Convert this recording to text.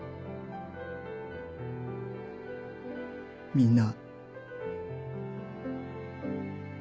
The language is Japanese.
みんな。